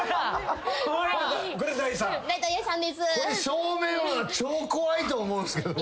正面は超怖いと思うんすけど。